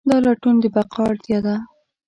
دا لټون د بقا اړتیا ده.